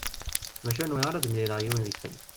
Maca ur nwiɣ ara ad d-mlileɣ yiwen deg-sen.